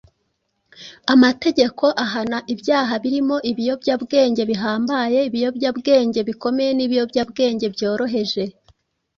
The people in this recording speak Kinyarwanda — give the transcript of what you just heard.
amategeko ahana ibyaha birimo ibiyobyabwenge bihambaye, ibiyobyabwenge bikomeye n’ibiyobyabwenge byoroheje.